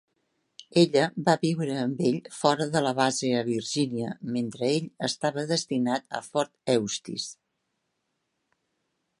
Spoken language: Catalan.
Ella va viure amb ell fora de la base a Virginia mentre ell estava destinat a Fort Eustis.